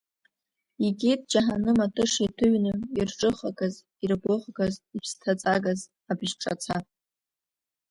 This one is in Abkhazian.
Игеит џьаҳаным атыша иҭыҩны, ирҿыхагаз, иргәыӷгаз, иԥсҭаҵагаз абжь-ҿаца…